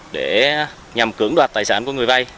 để nhằm cưỡng đoạt tài sản của người vai